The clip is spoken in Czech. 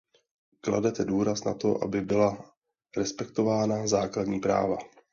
Kladete důraz na to, aby byla respektována základní práva.